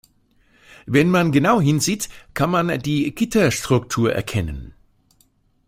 Wenn man genau hinsieht, kann man die Gitterstruktur erkennen.